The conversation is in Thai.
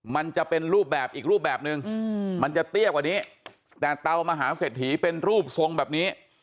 มันจะเป็นรูปแบบอีกรูปแบบนึงมันจะเตี้ยกว่านี้แต่เตามหาเศรษฐีเป็นรูปทรงแบบนี้